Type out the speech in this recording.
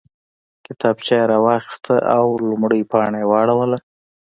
کتابچه یې راواخیسته او لومړۍ پاڼه یې واړوله